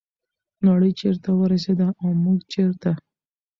نړۍ چیرته ورسیده او موږ چیرته؟